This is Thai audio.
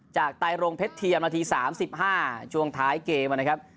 จากไตรงเพชรเทียมนาทีสามสิบห้าช่วงท้ายเกมนะครับ